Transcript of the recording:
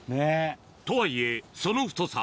とはいえその太さ